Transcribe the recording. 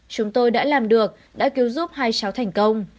chúng tôi đã làm được đã cứu giúp hai cháu thành công